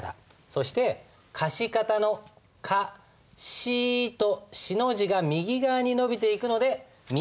そして貸方の「かし」と「し」の字が右側に伸びていくので右側が貸方。